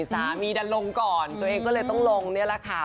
พี่อาจจะลงก่อนตัวเองก็ต้องลงนี่แหละค่ะ